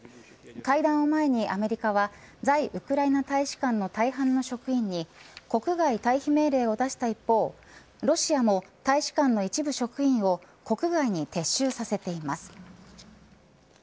会談を前にアメリカは在ウクライナ大使館の大半の職員に国外退避命令を出した一方ロシアも大使館の一部職員を国外に撤収させています。